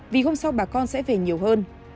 vì hôm sau bà con sẽ về nhiều hơn